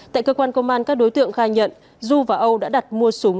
tại cơ quan công an các đối tượng khai nhận du và âu đã đặt mua súng